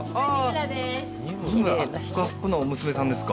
ここの娘さんですか？